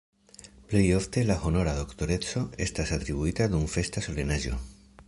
Plej ofte la honora doktoreco estas atribuita dum festa solenaĵo.